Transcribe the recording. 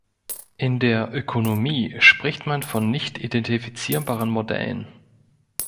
In der Ökonomie spricht man von nicht identifizierbaren Modellen.